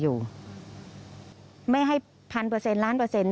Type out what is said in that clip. อยู่ดีมาตายแบบเปลือยคาห้องน้ำได้ยังไง